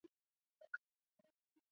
它们栖息在森林之内。